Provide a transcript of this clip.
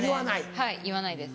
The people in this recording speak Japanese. はい言わないです。